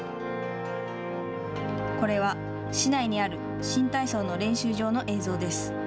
これは市内にある新体操の練習場の映像です。